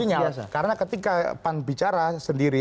artinya karena ketika pan bicara sendiri